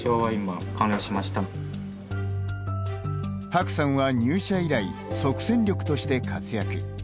薄さんは、入社以来即戦力として活躍。